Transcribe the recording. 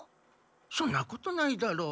そんなことないだろう。